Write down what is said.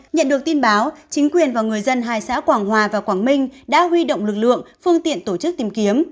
nhận được tin báo chính quyền và người dân hai xã quảng hòa và quảng minh đã huy động lực lượng phương tiện tổ chức tìm kiếm